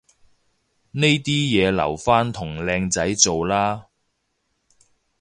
呢啲嘢留返同靚仔做啦